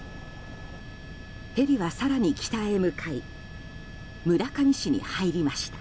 ヘリは更に北へ向かい村上市に入りました。